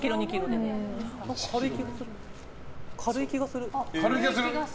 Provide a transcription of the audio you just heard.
軽い気がする。